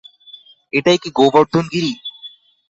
এটাই কি গোবর্ধন গিরি?